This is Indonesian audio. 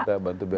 kita bantu beli